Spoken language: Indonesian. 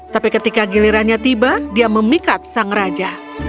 tapi ketika gilirannya tiba dia memikat sang raja